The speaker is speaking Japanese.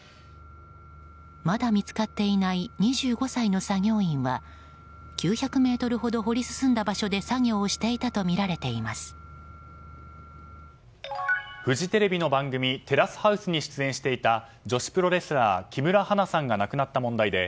まだ見つかっていない２５歳の作業員は９００ｍほど掘り進んだ場所で作業をしていたとみられています。